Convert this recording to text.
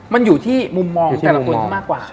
มันอยู่ที่มุมมองของแต่ละคนที่มากกว่า